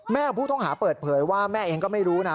ผู้ต้องหาเปิดเผยว่าแม่เองก็ไม่รู้นะ